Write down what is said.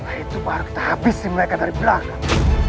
setelah itu baru kita habisi mereka dari belakang